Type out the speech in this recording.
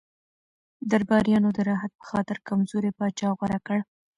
درباریانو د راحت په خاطر کمزوری پاچا غوره کړ.